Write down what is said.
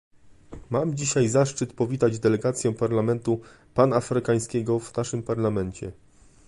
Mam dzisiaj zaszczyt powitać delegację Parlamentu Panafrykańskiego w naszym Parlamencie